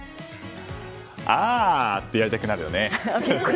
あってやりたくなるよね。